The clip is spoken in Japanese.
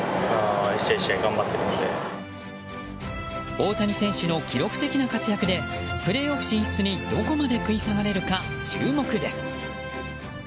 大谷選手の記録的な活躍でプレーオフ進出にどこまで食い下がれるか注目です。